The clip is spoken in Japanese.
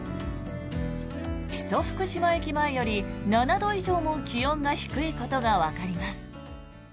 木曽福島駅前より７度以上も気温が低いことがわかります。